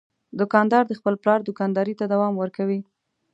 دوکاندار د خپل پلار دوکانداري ته دوام ورکوي.